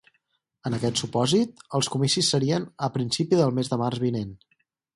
En aquest supòsit, els comicis serien a principi del mes de març vinent.